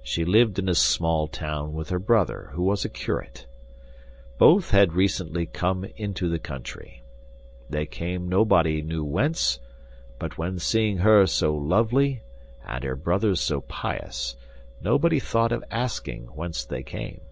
She lived in a small town with her brother, who was a curate. Both had recently come into the country. They came nobody knew whence; but when seeing her so lovely and her brother so pious, nobody thought of asking whence they came.